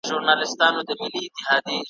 نا آشنا سور ته مو ستونی نه سمیږي ,